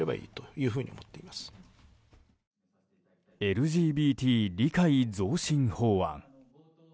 ＬＧＢＴ理解増進法案。